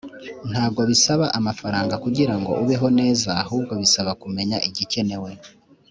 Ntago bisaba amafaranga kugirango ubeho neza ahubwo bisaba kumenya igikenewe